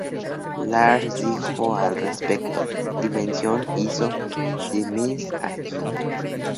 Lars dijo al respecto: "Dimension hizo "The Mist" allí.